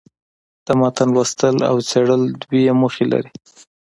د متن لوستل او څېړل دوې موخي لري.